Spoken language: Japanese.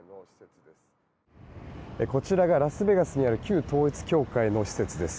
こちらがラスベガスにある旧統一教会の施設です。